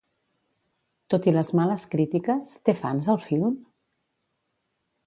Tot i les males crítiques, té fans el film?